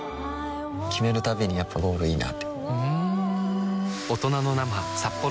決めるたびにやっぱゴールいいなってふん